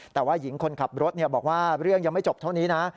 แต่ว่าหญิงคนขับรถบอกว่าเรื่องยังไม่จบเท่านี้นะ